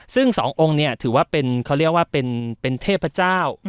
ซึ่งสององค์เนี่ยถือว่าเป็นเขาเรียกว่าเป็นเทพเจ้า